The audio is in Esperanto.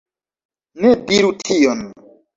Ne diru tion